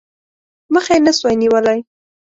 مخه یې نه سوای نیولای.